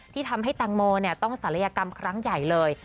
ที่ทำให้แตงโมต้องศัลยกรรมครั้งใหญ่เลย